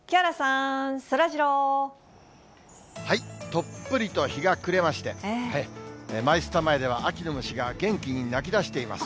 とっぷりと日が暮れまして、マイスタ前では秋の虫が元気に鳴きだしています。